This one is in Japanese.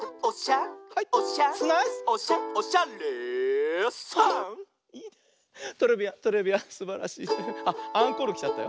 あっアンコールきちゃったよ。